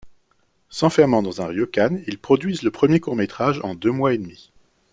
S'enfermant dans un ryokan, ils produisent le premier court-métrage en deux mois et demi.